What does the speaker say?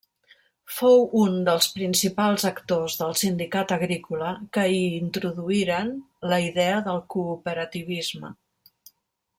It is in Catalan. Fou un dels principals actors del sindicat agrícola que hi introduïren la idea del cooperativisme.